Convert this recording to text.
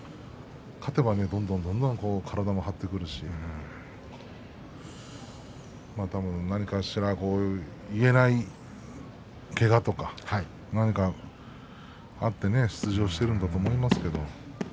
勝てばね、どんどんどんどん体も張ってくるし何かしら言えないけがとかあって出場しているんではないかと思いますけどね。